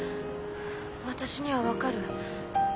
私には分かる。